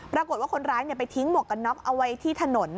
ปรากฏว่าคนร้ายไปทิ้งหมวกกันน็อกเอาไว้ที่ถนน